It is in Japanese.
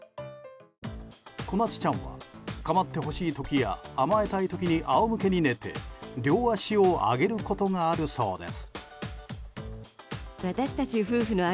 小夏ちゃんはかまってほしい時や甘えたい時にあおむけに寝て両脚を上げることがあるそうです。